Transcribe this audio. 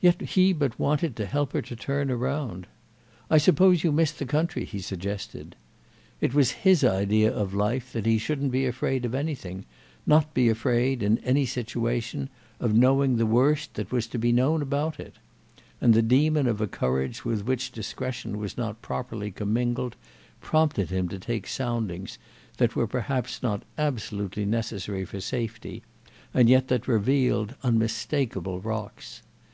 Yet he but wanted to help her to turn round. "I suppose you miss the country," he suggested. It was his idea of life that he shouldn't be afraid of anything, not be afraid, in any situation, of knowing the worst that was to be known about it; and the demon of a courage with which discretion was not properly commingled prompted him to take soundings that were perhaps not absolutely necessary for safety and yet that revealed unmistakable rocks.